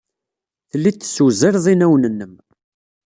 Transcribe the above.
Telliḍ tessewzaleḍ inawen-nnem.